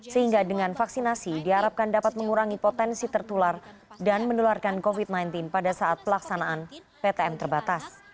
sehingga dengan vaksinasi diharapkan dapat mengurangi potensi tertular dan menularkan covid sembilan belas pada saat pelaksanaan ptm terbatas